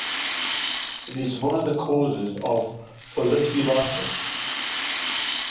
It is one of the causes of Folliculitis.